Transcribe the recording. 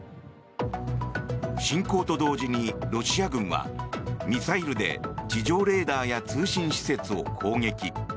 侵攻と同時にロシア軍はミサイルで地上レーダーや通信施設を攻撃。